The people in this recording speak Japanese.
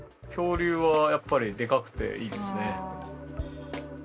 恐竜はやっぱりでかくていいですね。